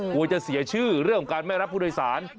กลัวจะเสียชื่อเรื่องของการไม่รับผู้โดยสาร